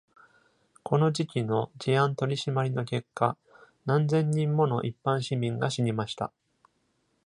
この時期の治安取り締まりの結果何千人もの一般市民が死にました。